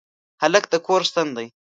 هلک د کور ستن دی.